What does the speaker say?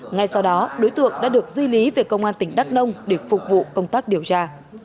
ngay sau đó đối tượng đã được di lý về công an tỉnh đắk nông để phục vụ công tác điều tra